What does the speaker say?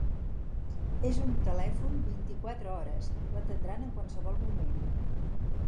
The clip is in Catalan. és un telèfon vint-i-quatre hores, l'atendran en qualsevol moment.